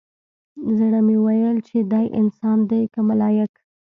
زړه مې ويل چې دى انسان دى که ملايک.